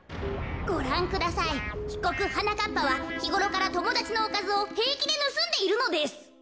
ごらんくださいひこくはなかっぱはひごろからともだちのおかずをへいきでぬすんでいるのです。